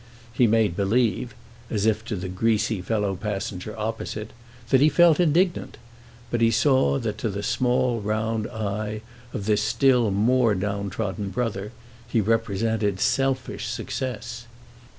He made believe—as if to the greasy fellow passenger opposite—that he felt indignant; but he saw that to the small round eye of this still more downtrodden brother he represented selfish success.